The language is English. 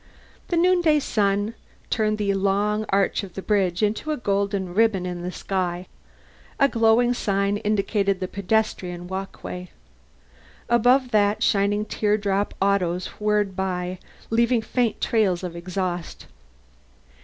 The noonday sun turned the long arch of the bridge into a golden ribbon in the sky. A glowing sign indicated the pedestrian walkway. Above that, shining teardrop autos whirred by, leaving faint trails of exhaust.